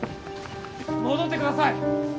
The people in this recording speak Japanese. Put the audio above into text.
戻ってください